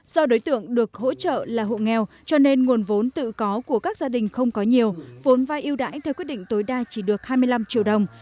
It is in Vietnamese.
do đối tượng được hỗ trợ là hộ nghèo cho nên nguồn vốn tự có của các gia đình không có nhiều vốn vai yêu đãi theo quyết định tối đa chỉ được hai mươi năm triệu đồng